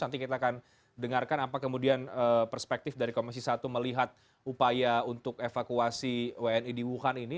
nanti kita akan dengarkan apa kemudian perspektif dari komisi satu melihat upaya untuk evakuasi wni di wuhan ini